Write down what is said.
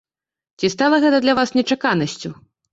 Ці стала гэта для вас нечаканасцю?